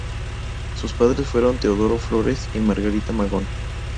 Sus padres fueron Teodoro Flores y Margarita Magón.